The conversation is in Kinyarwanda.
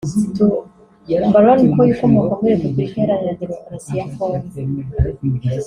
Baron Nkoy ukomoka muri Repuburika iharanira Demokarasi ya Congo